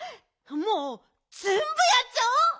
もうぜんぶやっちゃおう！